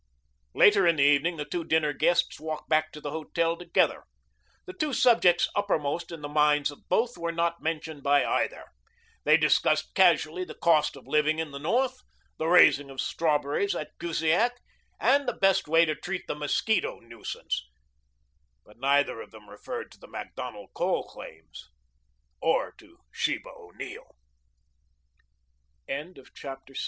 Later in the evening the two dinner guests walked back to the hotel together. The two subjects uppermost in the minds of both were not mentioned by either. They discussed casually the cost of living in the North, the raising of strawberries at Kusiak, and the best way to treat the mosquito nuisance, but neither of them referred to the Macdonald coal claims or to Sheba O'Neill. CHAPTER VII WALLY GETS ORDERS Macdonald, fro